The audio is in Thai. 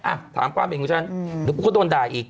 อ่ะถามความเห็นของฉันเดี๋ยวกูก็โดนด่าอีก